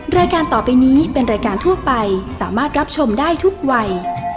รายการต่อไปนี้เป็นรายการทั่วไปสามารถรับชมได้ทุกวัย